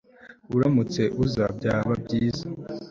Uramutse uza byaba byiza